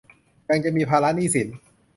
ยังจะมีภาระหนี้สิน